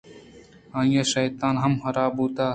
آئی ءِ شیطان ہم حراب بوت